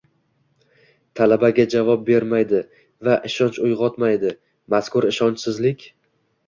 talabga javob bermaydi va ishonch uyg‘otmoydi. Mazkur ishonchsizlik